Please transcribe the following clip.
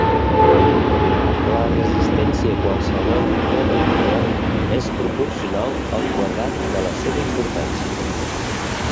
La resistència a qualsevol nova idea és proporcional al quadrat de la seua importància.